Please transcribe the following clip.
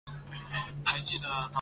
小鼩鼱为鼩鼱科鼩鼱属的动物。